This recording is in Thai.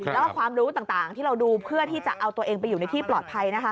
แล้วก็ความรู้ต่างที่เราดูเพื่อที่จะเอาตัวเองไปอยู่ในที่ปลอดภัยนะคะ